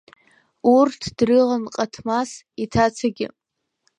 Урҭ дрылан Ҟаҭмас иҭацагьы.